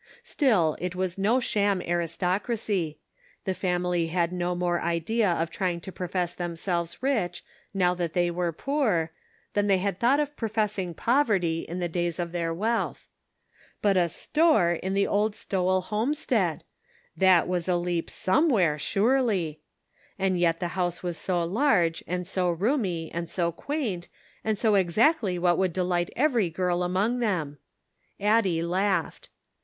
Still it was no sham aristocracy ; the family had no more idea of trying to profess themselves rich, now that they were poor, "than they had thought of pro fessing poverty in the days of their wealth. But a store in the old Stowell homestead ! That was a leap somewhere, surety! And yet the house was so large, and so roomy, and so quaint, and so exactly what would delight every girl among them ! Addie laughed.